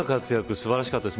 素晴らしかったです。